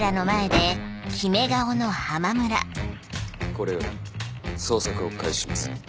これより捜索を開始します。